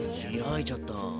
開いちゃった。